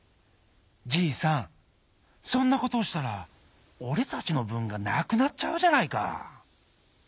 じいさんそんなことをしたらおれたちのぶんがなくなっちゃうじゃないか」。